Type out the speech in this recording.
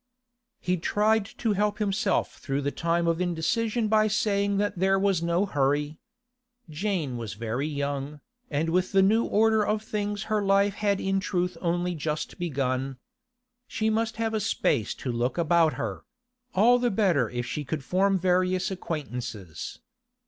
He tried to help himself through the time of indecision by saying that there was no hurry. Jane was very young, and with the new order of things her life had in truth only just begun. She must have a space to look about her; all the better if she could form various acquaintances.